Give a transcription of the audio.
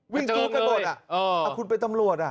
วิ่งจุ๊กกระโบดอ่ะคุณเป็นตำรวจอ่ะ